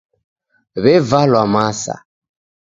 W'evalwa masa.